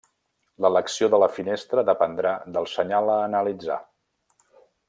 L’elecció de la finestra dependrà del senyal a analitzar.